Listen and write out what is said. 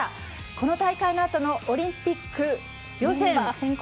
この大会のあとのオリンピック予選。